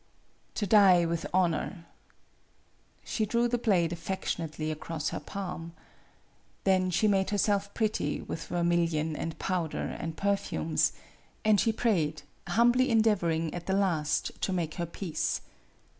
"To die with honor' She drew the blade affectionately across her palm. Then she made herself pretty with vermilion and powder and perfumes; and she prayed, humbly endeavoring at the last to make her peace.